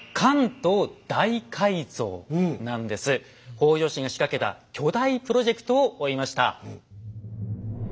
北条氏が仕掛けた巨大プロジェクトを追いました。